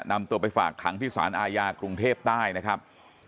นำตัวไปฝากขังที่สารอาญากรุงเทพใต้นะครับ